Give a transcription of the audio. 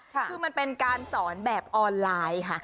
คือมันเป็นการสอนแบบออนไลน์ค่ะ